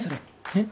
えっ？